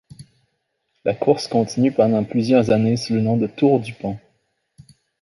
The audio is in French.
La course continue pendant plusieurs années sous le nom de Tour DuPont.